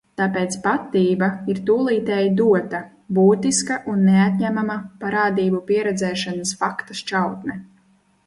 "Tāpēc patība ir "tūlītēji dota", būtiska un neatņemama parādību pieredzēšanas fakta šķautne."